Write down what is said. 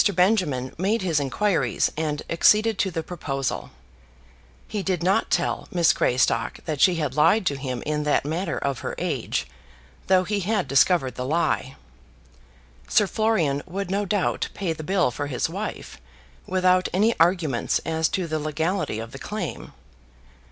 Benjamin made his inquiries, and acceded to the proposal. He did not tell Miss Greystock that she had lied to him in that matter of her age, though he had discovered the lie. Sir Florian would no doubt pay the bill for his wife without any arguments as to the legality of the claim.